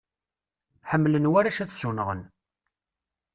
Ḥemmlen warrac ad ssunɣen.